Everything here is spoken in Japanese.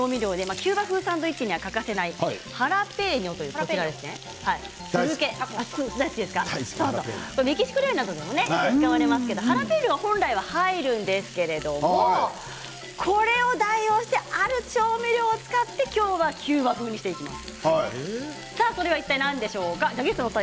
キューバ風サンドイッチには欠かせないハラペーニョという調味料メキシコ料理などで使われますけれども大概ハラペーニョが入るんですけれどもこれの代用としてある調味料を使って今日はキューバ風にしていきます。